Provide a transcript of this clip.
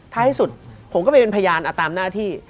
ที่สุดผมก็ไปเป็นพยานตามหน้าที่